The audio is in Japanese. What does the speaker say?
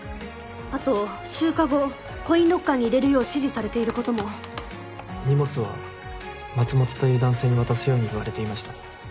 あと集荷後コインロッカーに入れるよう指示されていることも荷物は松本という男性に渡すように言われていました。